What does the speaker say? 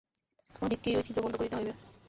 আমাদিগকেই ঐ ছিদ্র বন্ধ করিতে হইবে।